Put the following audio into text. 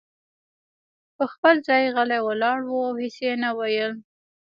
پر خپل ځای غلی ولاړ و او هیڅ یې نه ویل.